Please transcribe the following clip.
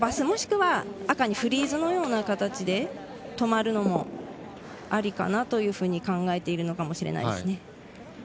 もしくは赤にフリーズのような形で止まるのもありかなというふうに考えているのかもしれないです。